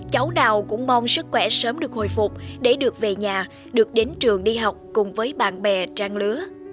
cháu nào cũng mong sức khỏe sớm được hồi phục để được về nhà được đến trường đi học cùng với bạn bè trang lứa